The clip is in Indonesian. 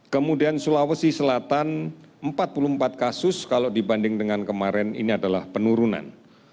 kemudian sulawesi selatan empat puluh empat kasus kalau dibanding dengan kemarin ini adalah penurunan